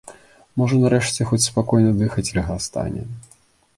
Можа нарэшце хоць спакойна дыхаць льга стане!